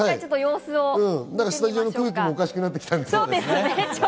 スタジオの空気もおかしくなってきたんで。